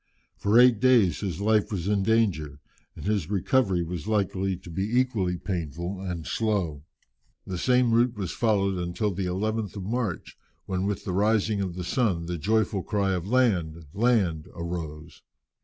For eight days his life was in danger, and his recovery was likely to be equally painful and slow. The same route was followed until the 11th of March, when with the rising of the sun the joyful cry of "Land! land!" arose.